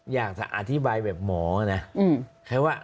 อยากจะอธิบายแบบหมอนะ